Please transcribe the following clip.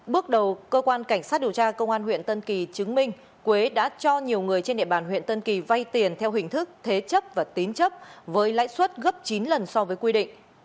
bước đầu cơ quan cảnh sát điều tra công an huyện tân kỳ chứng minh quế đã cho nhiều người trên địa bàn huyện tân kỳ vay tiền theo hình thức thế chấp và tín chấp với lãi suất gấp chín lần so với quy định